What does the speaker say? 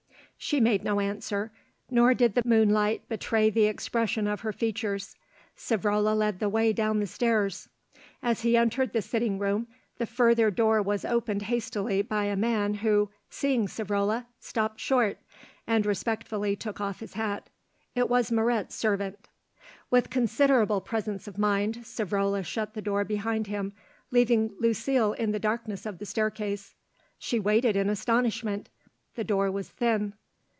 She made no answer, nor did the moonlight betray the expression of her features. Savrola led the way down the stairs. As he entered the sitting room, the further door was opened hastily by a man who, seeing Savrola, stopped short, and respectfully took off his hat. It was Moret's servant. With considerable presence of mind Savrola shut the door behind him, leaving Lucile in the darkness of the staircase. She waited in astonishment; the door was thin.